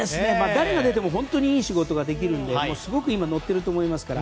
誰が出ても本当にいい仕事ができるのですごく乗っていると思います。